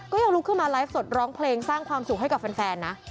ยังลุกขึ้นมาไลฟ์สดร้องเพลงสร้างความสุขให้กับแฟนนะ